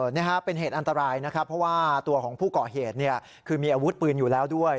นี่ฮะเป็นเหตุอันตรายนะครับเพราะว่าตัวของผู้ก่อเหตุเนี่ยคือมีอาวุธปืนอยู่แล้วด้วย